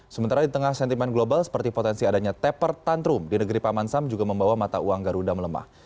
sementara di tengah sentimen global seperti potensi adanya teper tantrum di negeri paman sam juga membawa mata uang garuda melemah